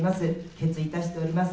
決意いたしております。